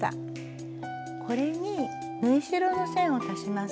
これに縫い代の線を足します。